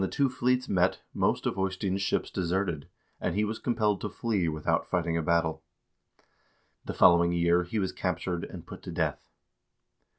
360 HISTORY OF THE NORWEGIAN PEOPLE fleets met, most of Eystein's ships deserted, and he was compelled to flee without fighting a battle. The following year he was cap tured and put to death.